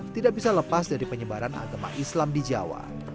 tidak bisa lepas dari penyebaran agama islam di jawa